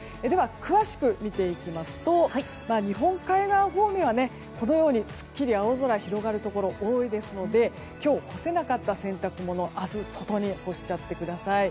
詳しく見ていきますと日本海側方面はすっきり青空が広がるところが多いですので今日、干せなかった洗濯物明日外に干しちゃってください。